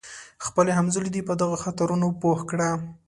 خپل همزولي دې په دغو خطرونو پوه کړي.